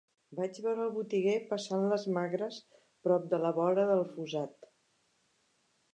Vaig veure el botiguer passant-les magres prop de la vora del fossat.